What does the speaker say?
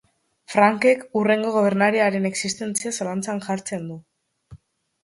Frankek, hurrengo gobernariaren existentzia zalantzan jartzen du.